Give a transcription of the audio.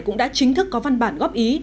cũng đã chính thức có văn bản góp ý